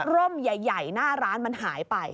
ร่มใหญ่หน้าร้านมันหายไป